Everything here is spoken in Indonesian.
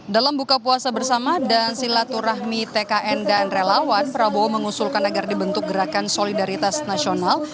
dalam buka puasa bersama dan silaturahmi tkn dan relawan prabowo mengusulkan agar dibentuk gerakan solidaritas nasional